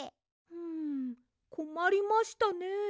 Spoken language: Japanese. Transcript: んこまりましたね。